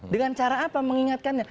dengan cara apa mengingatkannya